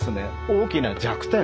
大きな弱点。